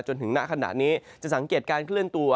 จนถึงณขณะนี้จะสังเกตการเคลื่อนตัว